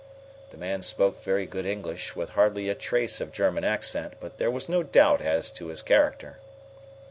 The man spoke very good English, with hardly a trace of German accent, but there was no doubt as to his character.